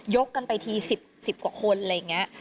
กันไปที๑๐กว่าคนอะไรอย่างนี้